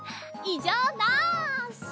いじょうなし！